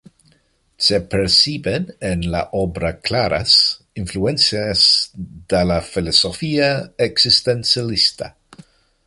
Se perciben en la obra claras influencias de la filosofía existencialista.